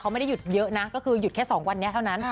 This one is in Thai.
ไม่ได้หยุดเยอะนะก็คือหยุดแค่๒วันนี้เท่านั้น